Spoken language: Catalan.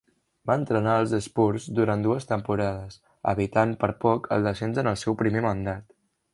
Va entrenar als Spurs durant dues temporades, evitant per poc el descens en el seu primer mandat.